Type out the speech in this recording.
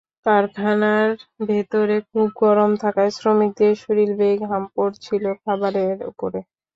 কারখানার ভেতরে খুব গরম থাকায় শ্রমিকদের শরীর বেয়ে ঘাম পড়ছিল খাবারের ওপরে।